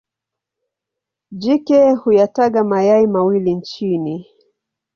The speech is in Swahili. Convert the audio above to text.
Jike huyataga mayai mawili chini.